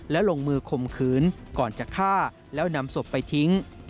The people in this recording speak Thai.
และลงมือข่มขืนก่อนจะฆ่าแล้วนำศพไปทิ้ง